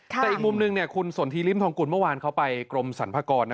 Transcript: แต่อีกมุมหนึ่งคุณสนทิริมทองกุลเมื่อวานเขาไปกรมสรรพากร